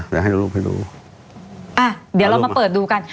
เดี๋ยวให้รูปให้ดูอ่ะเดี๋ยวเรามาเปิดดูกัน